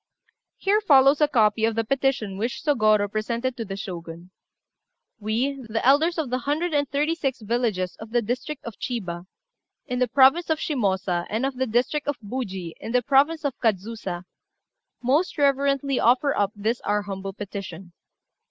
Here follows a copy of the petition which Sôgorô presented to the Shogun "We, the elders of the hundred and thirty six villages of the district of Chiba, in the province of Shimôsa, and of the district of Buji, in the province of Kadzusa, most reverently offer up this our humble petition.